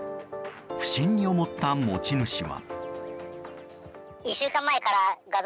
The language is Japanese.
不審に思った持ち主は。